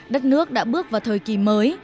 đất nước đã bước vào thời kỳ mới